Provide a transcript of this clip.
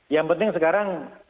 yang penting sekarang